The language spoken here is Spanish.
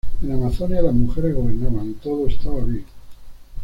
En Amazonia, las mujeres gobernaban y todo estaba bien.